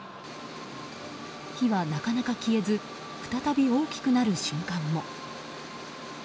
火はなかなか消えず再び大きくなる瞬間も。